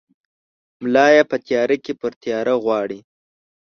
ملا ېې په تیاره کې پر تیاره غواړي!